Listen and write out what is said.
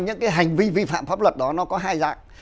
những cái hành vi vi phạm pháp luật đó nó có hai dạng